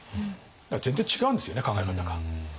だから全然違うんですよね考え方が。